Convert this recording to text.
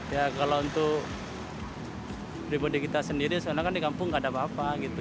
ya kalau untuk pribadi kita sendiri soalnya kan di kampung gak ada apa apa gitu